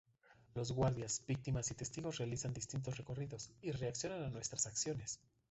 Los guardias, víctimas y testigos realizan distintos recorridos y reaccionan a nuestras acciones.